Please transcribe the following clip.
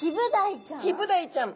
ヒブダイちゃん！